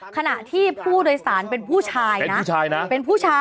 ขณะที่ผู้โดยสารเป็นผู้ชายนะเป็นผู้ชายนะ